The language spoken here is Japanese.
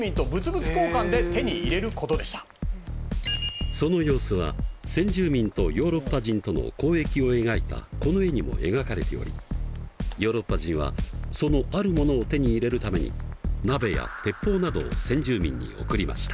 実はその様子は先住民とヨーロッパ人との交易を描いたこの絵にも描かれておりヨーロッパ人はそのあるモノを手に入れるために鍋や鉄砲などを先住民に送りました。